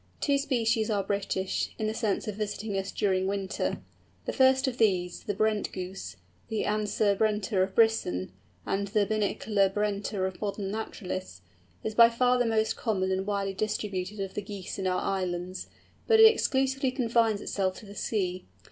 Two species are British, in the sense of visiting us during winter. The first of these the Brent Goose—the Anser brenta of Brisson, and the Bernicla brenta of modern naturalists—is by far the most common and widely distributed of the Geese in our islands, but it exclusively confines itself to the sea.